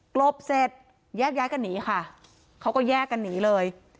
ลบเสร็จแยกย้ายกันหนีค่ะเขาก็แยกกันหนีเลย